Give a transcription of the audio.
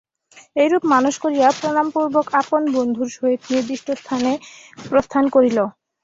এইরূপ মানস করিয়া প্রণামপূর্বক আপন বন্ধুর সহিত নির্দিষ্ট স্থানে প্রস্থান করিল।